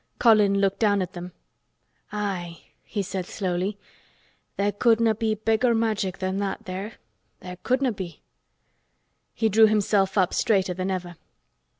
Colin looked down at them. "Aye," he said slowly, "there couldna' be bigger Magic than that there—there couldna' be." He drew himself up straighter than ever.